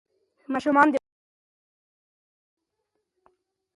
ماشومان د پسرلي په موسم کې ډېر خوشاله وي.